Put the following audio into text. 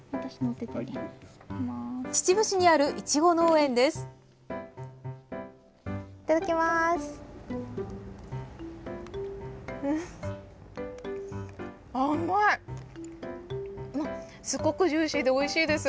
秩父市にあるいちご農園です。